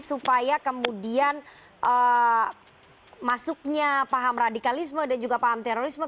supaya kemudian masuknya paham radikalisme dan juga paham terorisme